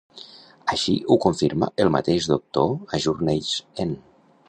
Així ho confirma el mateix doctor a "Journey's End".